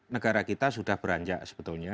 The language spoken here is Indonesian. negara kita sudah beranjak sebetulnya